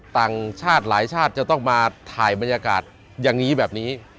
ต่างชาติหลายชาติจะต้องมาถ่ายบรรยากาศอย่างนี้แบบนี้